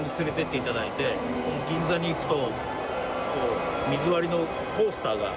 銀座に行くと。